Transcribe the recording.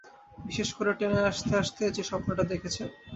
বিশেষ করে টেনে আসতেআসতে যে স্বপ্নটা দেখেছেন।